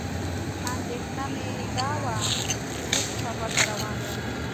اندېښنه مې دا وه چې اوږد سفر ته روان یم.